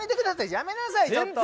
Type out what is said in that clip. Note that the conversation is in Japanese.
やめなさいちょっと。